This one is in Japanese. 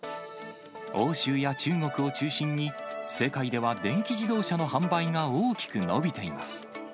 欧州や中国を中心に、世界では電気自動車の販売が大きく伸びています。